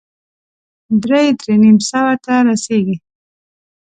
درې- درې نيم سوه ته رسېږي.